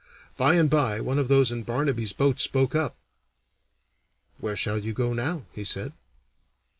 By and by one of those in Barnaby's boat spoke up. "Where shall you go now?" he said.